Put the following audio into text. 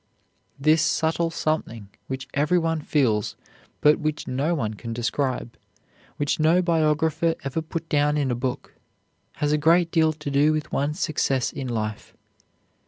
This subtle something which every one feels, but which no one can describe, which no biographer ever put down in a book, has a great deal to do with one's success in life.